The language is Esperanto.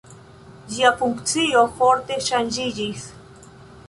Ĝia funkcio forte ŝanĝiĝis.